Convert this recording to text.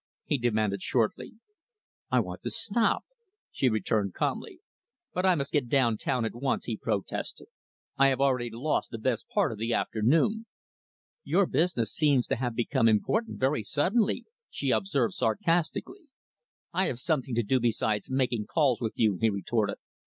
he demanded shortly. "I want to stop," she returned calmly. "But I must get down town, at once," he protested. "I have already lost the best part of the afternoon." "Your business seems to have become important very suddenly," she observed, sarcastically. "I have something to do besides making calls with you," he retorted.